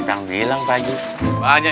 ulang selama tiga besok